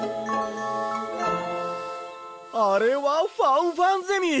あれはファンファンゼミ！